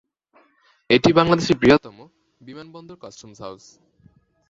এটি বাংলাদেশের বৃহত্তম বিমানবন্দর কাস্টমস হাউজ।